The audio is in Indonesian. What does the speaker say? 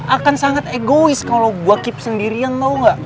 akan sangat egois kalo gue keep sendirian tau gak